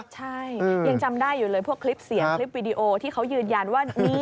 ใช่ยังจำได้อยู่เลยพวกคลิปเสียงคลิปวิดีโอที่เขายืนยันว่า